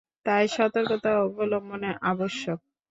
তাই সতর্কতা অবলম্বন আবশ্যক।